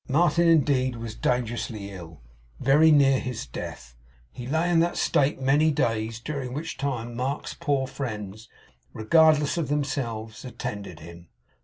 Martin indeed was dangerously ill; very near his death. He lay in that state many days, during which time Mark's poor friends, regardless of themselves, attended him.